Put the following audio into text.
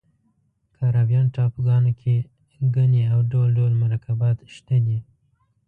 کارابین ټاپوګانو کې ګني او ډول ډول مرکبات شته دي.